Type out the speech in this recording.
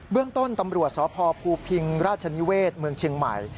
เรื่องต้นตำรวจสพภูพิงราชนิเวศเมืองเชียงใหม่